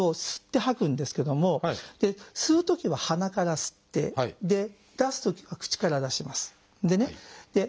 吸って吐くんですけども吸うときは鼻から吸ってで出すときは口から出します。